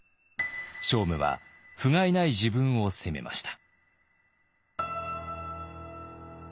聖武はふがいない自分を責めました。